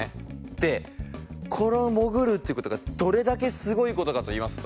でこの潜るっていう事がどれだけすごい事かといいますと。